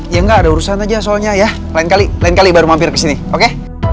ya enggak ada urusan aja soalnya ya lain kali baru mampir kesini oke